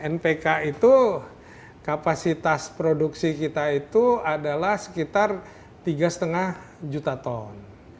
npk itu kapasitas produksi kita itu adalah sekitar tiga lima juta ton